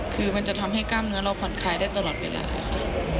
คือมันจะทำให้กล้ามเนื้อเราผ่อนคลายได้ตลอดเวลาค่ะ